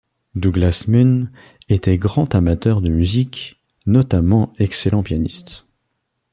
Douglas Munn était grand amateur de musique, notamment excellent pianiste.